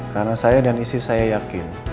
karena saya dan istri saya yakin